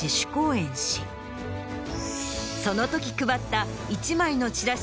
そのとき配った。